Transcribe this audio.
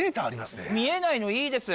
見えないのいいです。